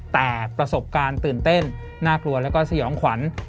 แต่ประสบการณ์ตื่นเต้นน่ากลัวแล้วก็สยองขวัญ